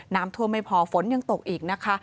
น้ำท่วมไม่พอฝนยังตกอีกนะคะ